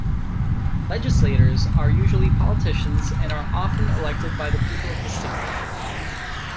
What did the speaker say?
Legislators are usually politicians and are often elected by the people of the state.